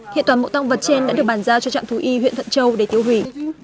hiện toàn bộ tăng vật trên đã được bàn giao cho trạm thú y huyện thuận châu để tiêu hủy